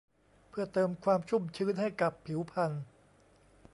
เพื่อเติมความชุ่มชื้นให้กับผิวพรรณ